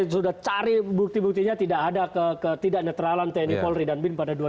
itu saya sudah cari bukti buktinya tidak ada ketidak netralan tni polri dan binten pada dua ribu sembilan